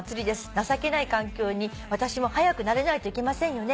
「情けない環境に私も早く慣れないといけませんよね」